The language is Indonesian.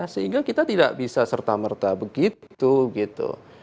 sehingga kita tidak bisa serta merta begitu gitu